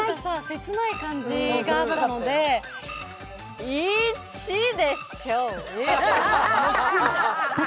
切ない感じがあったので１でしょうか。